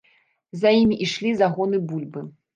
За імі ішлі загоны бульбы.